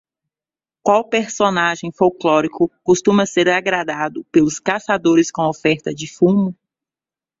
Qual personagem folclórico costuma ser agradado pelos caçadores com a oferta de fumo?